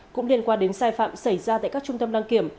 cũng liên quan đến sai phạm xảy ra tại các trung tâm đăng kiểm